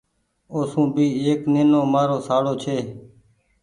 اوسون ڀي ايڪ نينومآرو شاڙو ڇي۔